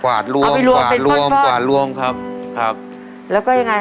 กวาดร่วมเอาไปร่วมเป็นข้อนกวาดร่วมกวาดร่วมครับครับแล้วก็ยังไง